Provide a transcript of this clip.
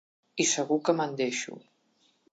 I segur que me'n deixo.